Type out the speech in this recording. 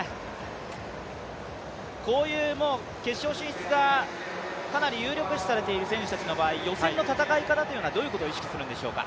こういう決勝進出がかなり有力視されている選手たちの場合、予選の戦い方というのは、どういうことを意識するんでしょうか？